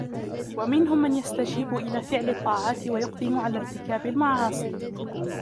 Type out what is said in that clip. وَمِنْهُمْ مَنْ يَسْتَجِيبُ إلَى فِعْلِ الطَّاعَاتِ وَيُقْدِمُ عَلَى ارْتِكَابِ الْمَعَاصِي